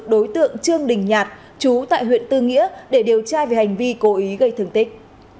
đối tượng trương đình nhạt chú tại huyện tư nghĩa để điều tra về hành vi cố ý gây thương tích